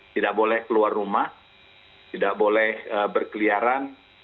tidak boleh keluar rumah tidak boleh berkeliaran